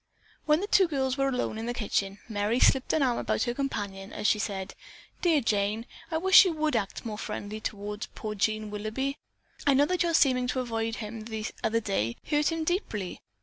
When the two girls were alone in the kitchen, Merry slipped an arm about her companion as she said, "Dear Jane, I wish you would act more friendly toward poor Jean Willoughby. I know that your seeming to avoid him the other day, hurt him deeply."